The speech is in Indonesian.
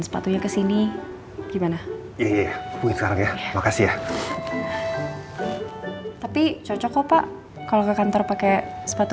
sepatunya kesini gimana ya sekarang ya makasih ya tapi cocok kok pak kalau ke kantor pakai sepatu